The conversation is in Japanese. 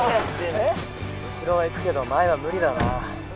後ろは行くけど前は無理だな